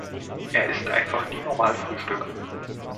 Er isst einfach nie normal Frühstück.